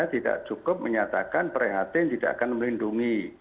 tidak cukup menyatakan perhatian tidak akan melindungi